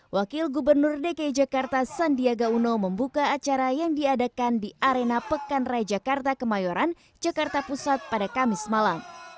wakil gubernur dki jakarta sandiaga uno membuka acara yang diadakan di arena pekan raya jakarta kemayoran jakarta pusat pada kamis malam